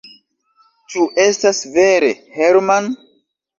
Ĉu estas vere, Herman?